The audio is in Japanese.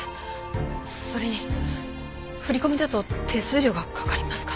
それに振込だと手数料がかかりますから。